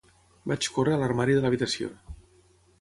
Vaig córrer a l'armari de l'habitació.